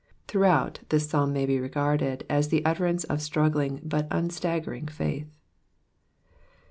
Throughout, this Psahn may 6e regarded as the utterance cf struggling, but unstaggering, faith.